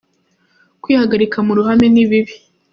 Kwihagarika mu ruhame ni bibi!